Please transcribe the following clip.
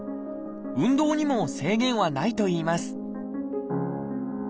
運動にも制限はないといいます